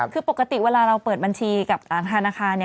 คือปกติเวลาเราเปิดบัญชีกับธนาคาร